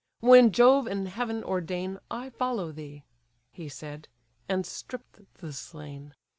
When Jove and heaven ordain, I follow thee"—He said, and stripp'd the slain.